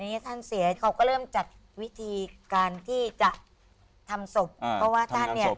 ท่านเสียเขาก็เริ่มจัดวิธีการที่จะทำศพเพราะว่าท่านเนี่ย